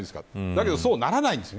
だけど、そうはならないんです。